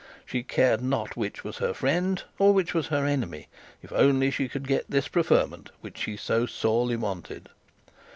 She cared not which was her friend or which was her enemy, if only she could get this preference which she so sorely wanted.